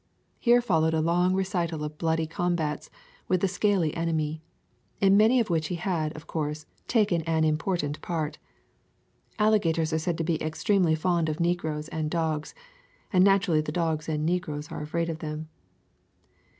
Here followed a long re cital of bloody combats with the scaly enemy, in many of which he had, of course, taken an important part. Alligators are said to be ex tremely fond of negroes and dogs, and natu rally the dogs and negroes are afraid of them.